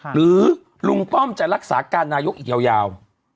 หรือลุงป้อมจะรักษาการนายกอีกยาว